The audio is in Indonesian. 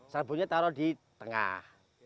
serabuknya taruh di tengah